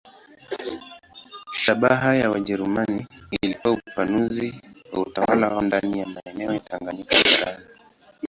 Shabaha ya Wajerumani ilikuwa upanuzi wa utawala wao ndani ya maeneo ya Tanganyika barani.